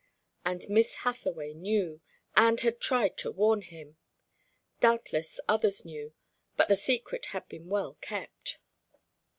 And Miss Hathaway knew, and had tried to warn him. Doubtless others knew, but the secret had been well kept.